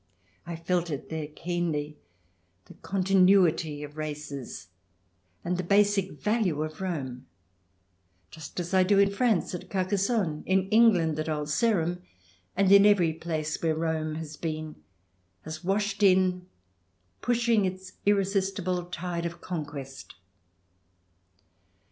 I felt it there keenly — the continuity of races, and the basic value of Rome — just as I do in France at Carcassonne, in England at Old Sarum, and in every place where Rome has been, has washed in, pushing its irre sistible tide of conquest.